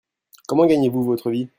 Comment gagnez-vous votre vie ?